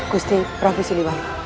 gusti prabu seluwangi